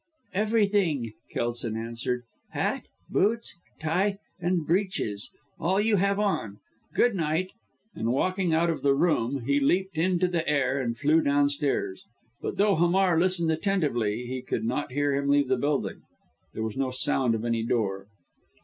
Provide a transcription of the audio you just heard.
"Everything!" Kelson answered. "Hat, boots, tie and breeches. All you have on! Good night!" And walking out of the room, he leaped into the air, and flew downstairs. But though Hamar listened attentively, he could not hear him leave the building there was no sound of any door.